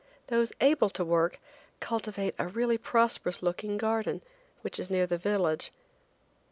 Those able to work cultivate a really prosperous looking garden, which is near their village.